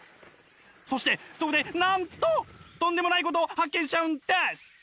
そしてそこでなんととんでもないことを発見しちゃうんです！